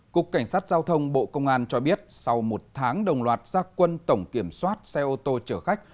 cục cảnh sát giao thông bộ công an cho biết sau một tháng đồng loạt gia quân tổng kiểm soát xe ô tô chở khách